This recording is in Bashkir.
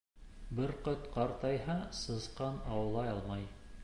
Бөркөт ҡартайһа, сысҡан аулай алмай.